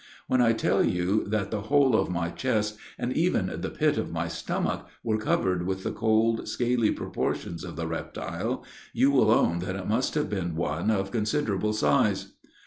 When I tell you that the whole of my chest, and even the pit of my stomach, were covered with the cold, scaly proportions of the reptile, you will own that it must have been one of considerable size.